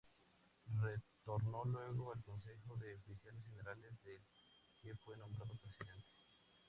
Retornó luego al Consejo de Oficiales Generales, del que fue nombrado presidente.